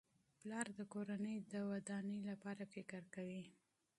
پلار د کورنۍ د ودانۍ لپاره فکر کوي.